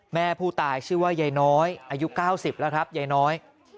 แม่ผู้ตายชื่อว่ายายน้อยอายุ๙๐แล้วครับยายน้อย